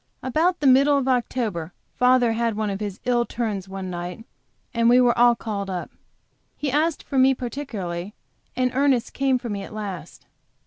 About the middle of October father had one of his ill turns one night, and we were all called up. He asked for me particularly, and Ernest came for me at last.